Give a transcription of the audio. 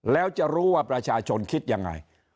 แล้วจะรู้ว่าประชาชนคิดยังไง